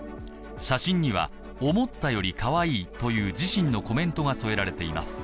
写真には、思ったよりかわいいという自身のコメントが添えられています。